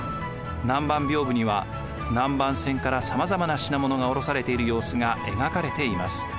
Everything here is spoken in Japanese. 南蛮屏風には南蛮船からさまざまな品物が降ろされている様子が描かれています。